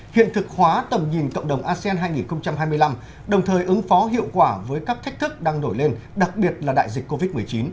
hiện thực hóa tầm nhìn cộng đồng asean hai nghìn hai mươi năm đồng thời ứng phó hiệu quả với các thách thức đang nổi lên đặc biệt là đại dịch covid một mươi chín